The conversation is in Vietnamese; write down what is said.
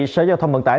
sở giao thông vận tải